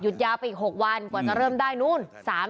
หยุดยาวให้อีก๖วันกว่าจะเริ่มได้เนี่ย